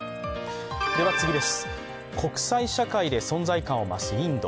国際社会で存在感を増すインド。